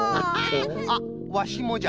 あっワシもじゃ。